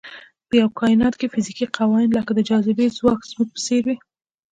په یوه کاینات کې فزیکي قوانین لکه د جاذبې ځواک زموږ په څېر وي.